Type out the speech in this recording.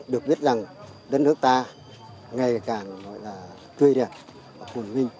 được biết rằng đất nước ta ngày càng tuyệt đẹp